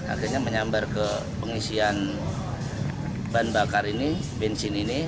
akhirnya menyambar ke pengisian bahan bakar ini bensin ini